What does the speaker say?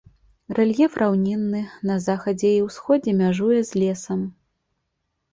Рэльеф раўнінны, на захадзе і ўсходзе мяжуе з лесам.